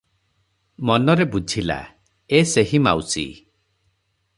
ମନରେ ବୁଝିଲା, ଏ ସେହି ମାଉସୀ ।